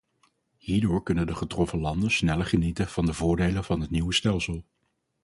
Hierdoor kunnen de getroffen landen sneller genieten van de voordelen van het nieuwe stelsel.